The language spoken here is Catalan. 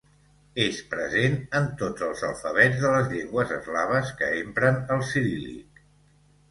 És present en tots els alfabets de les llengües eslaves que empren el ciríl·lic.